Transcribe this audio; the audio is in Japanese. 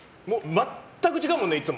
全く違うもんね、いつも。